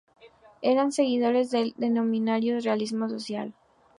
Eran seguidores del denominado realismo social.